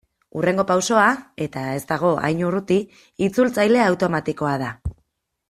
Hurrengo pausoa, eta ez dago hain urruti, itzultzaile automatikoa da.